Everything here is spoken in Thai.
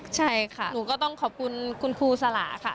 ใช่ค่ะหนูก็ต้องขอบคุณคุณครูสลาค่ะ